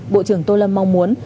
bộ trưởng tô lâm mong muốn